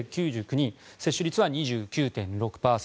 接種率は２９．６％。